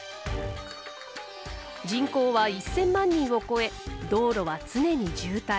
人口は１，０００万人を超え道路は常に渋滞。